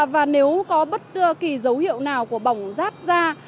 và nếu có bất kỳ dấu hiệu nào của bỏng rát da